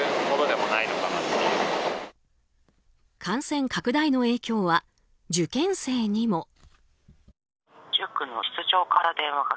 感染拡大の影響は受験生にも。